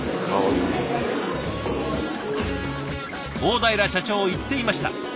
大平社長言っていました。